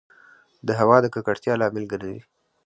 د هــوا د ککــړتـيـا لامـل ګـرځـي